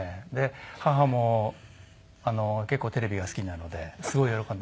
母も結構テレビが好きなのですごい喜んで。